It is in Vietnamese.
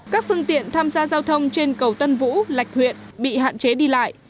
các phương tiện tham gia giao thông trên cầu tân vũ lạch huyện bị hạn chế đi lại